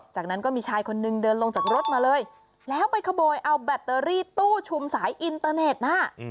จากนั้นก็มีชายคนนึงเดินลงจากรถมาเลยแล้วไปขโมยเอาแบตเตอรี่ตู้ชุมสายอินเตอร์เน็ตน่ะ